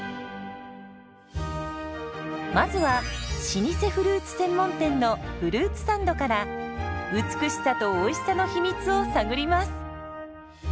まずは老舗フルーツ専門店のフルーツサンドから美しさとおいしさの秘密を探ります。